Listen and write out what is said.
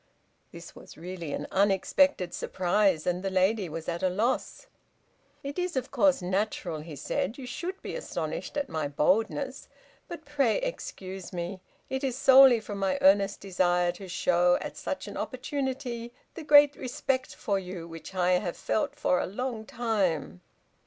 This was really an unexpected surprise, and the lady was at a loss. "It is, of course, natural," he said, "you should be astonished at my boldness, but pray excuse me. It is solely from my earnest desire to show at such an opportunity the great respect for you which I have felt for a very long time."